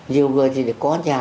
nhiều người thì có nhà